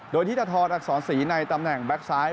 โดยธิตทรอักษรศรีในตำแหน่งแก๊กซ้าย